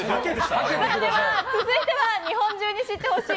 では、続いては日本中に知って欲しい！